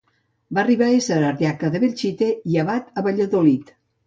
Va arribar a ésser ardiaca de Belchite i abat a Valladolid.